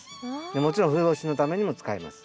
もちろん冬越しのためにも使います。